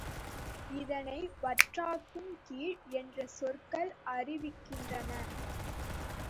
இதனை வற்றாகும் கீழ் என்ற சொற்கள் அறிவிக்கின்றன.